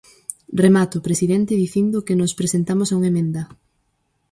Remato, presidente, dicindo que nós presentamos unha emenda.